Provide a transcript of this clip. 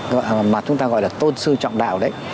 mà chúng ta gọi là tôn sư trọng đạo đấy